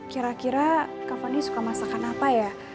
kira kira kak fani suka masakan apa ya